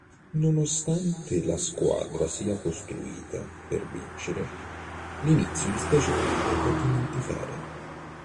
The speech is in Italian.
Nonostante la squadra sia costruita per vincere, l'inizio di stagione è da dimenticare.